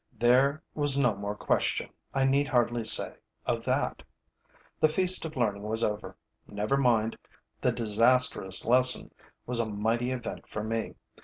There was no more question, I need hardly say, of that. The feast of learning was over. Never mind: the disastrous lesson was a mighty event for me.